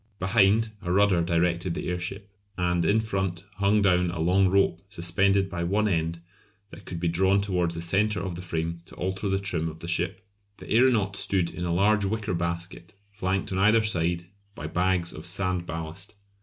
Behind, a rudder directed the airship, and in front hung down a long rope suspended by one end that could be drawn towards the centre of the frame to alter the trim of the ship. The aeronaut stood in a large wicker basket flanked on either side by bags of sand ballast.